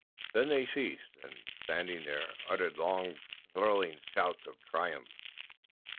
Then they ceased, and, standing there, uttered long thrilling shouts of triumph.